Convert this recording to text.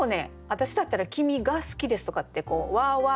私だったら「きみがすきです」とかって「は」「は」